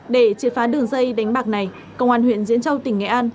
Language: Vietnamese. để triệt phá đường dây đánh bạc này công an huyện diễn châu tỉnh nghệ an